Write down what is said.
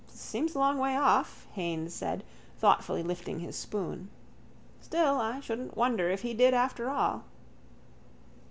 —Seems a long way off, Haines said, thoughtfully lifting his spoon. Still, I shouldn't wonder if he did after all.